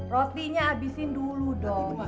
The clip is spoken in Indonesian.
waktunya abisin dulu dong